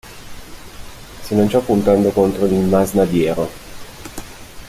Si lanciò puntando contro il masnadiero.